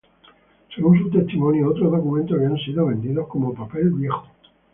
Según su testimonio, otros documentos habían sido vendidos como papel viejo.